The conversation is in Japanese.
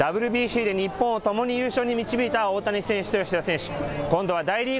ＷＢＣでともに日本を優勝に導いた大谷選手と吉田選手。